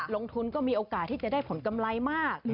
ลงทุนก็มีโอกาสที่จะได้ผลกำไรมาก